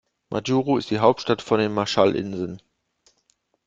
Majuro ist die Hauptstadt von den Marshallinseln.